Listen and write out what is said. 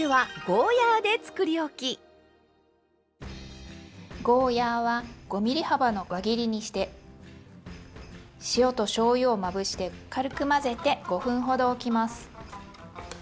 ゴーヤーは５ｍｍ幅の輪切りにして塩としょうゆをまぶして軽く混ぜて５分ほどおきます。